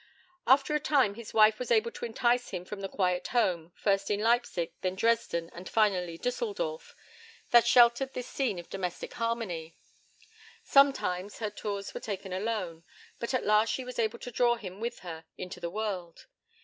After a time his wife was able to entice him from the quiet home (first in Leipsic, then Dresden, and finally Düsseldorf) that sheltered this scene of domestic harmony. Sometimes her tours were taken alone, but at last she was able to draw him with her into the world.